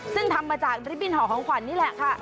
ซึ่งทำมาจากริบบิ้นห่อของขวัญนี่แหละค่ะ